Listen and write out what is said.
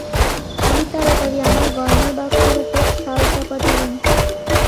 আমি তাড়াতাড়ি আমার গয়নার বাক্সর উপর শাল চাপা দিলুম।